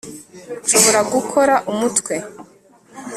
nshobora gukora umutwe